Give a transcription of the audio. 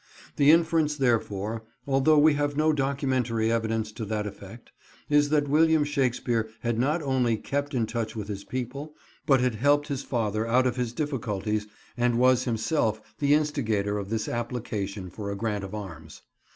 The inference therefore, although we have no documentary evidence to that effect, is that William Shakespeare had not only kept in touch with his people, but had helped his father out of his difficulties and was himself the instigator of this application for a grant of arms.